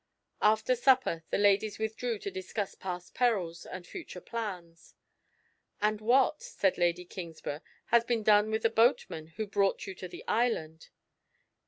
After supper the ladies withdrew to discuss past perils and future plans. "And what," said Lady Kingsburgh, "has been done with the boatmen who brought you to the island?"